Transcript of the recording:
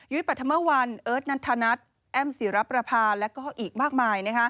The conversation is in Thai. ปรัฐมวัลเอิร์ทนัทธนัทแอ้มศิรประพาและก็อีกมากมาย